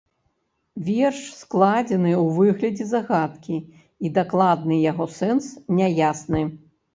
Верш складзены ў выглядзе загадкі, і дакладны яго сэнс няясны.